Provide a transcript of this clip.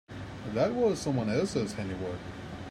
That was someone else's handy work.